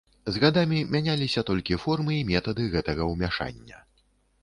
З гадамі мяняліся толькі формы і метады гэтага ўмяшання.